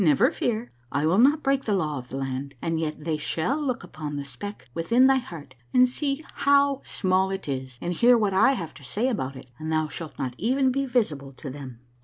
Never fear. I will not break the law of the land, and yet they shall look upon the speck within thy heart, and see how small it is and hear what I have to say about it, and thou shalt not even be visible to them."